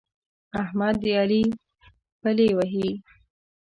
احمد د علي پلې وهي.